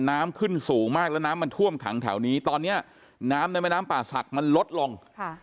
น้ำขึ้นสูงมากแล้วน้ำมันท่วมขังแถวนี้ตอนเนี้ยน้ำในแม่น้ำป่าศักดิ์มันลดลง